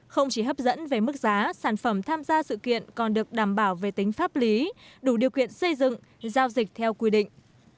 không chỉ hấp dẫn về mức giá sản phẩm tham gia sự kiện còn được đảm bảo về tính pháp lý đủ điều kiện xây dựng giao dịch theo quy định